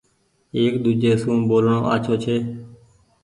ايڪ ۮوجهي سون ٻولڻو آڇو ڇي۔